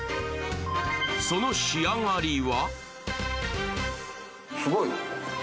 その仕上がりは？